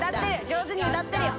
上手に歌ってるよ。